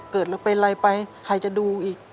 เกิดเราเป็นอะไรไปใครจะดูอีก